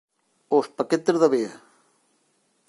Os paquetes de avea.